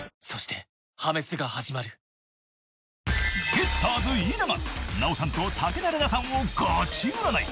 ［ゲッターズ飯田が奈緒さんと武田玲奈さんをがち占い］